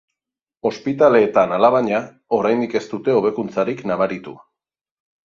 Ospitaleetan, alabaina, oraindik ez dute hobekuntzarik nabaritu.